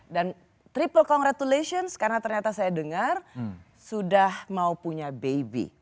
dan triple congratulations karena ternyata saya dengar sudah mau punya baby